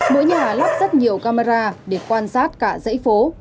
mỗi nhà lắp rất nhiều camera để quan sát cả dãy phố